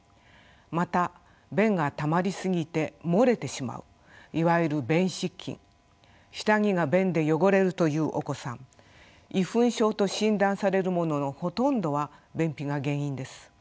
また便がたまり過ぎて漏れてしまういわゆる便失禁下着が便で汚れるというお子さん遺糞症と診断されるもののほとんどは便秘が原因です。